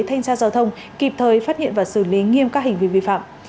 thanh xa giao thông kịp thời phát hiện và xử lý nghiêm các hình vị vi phạm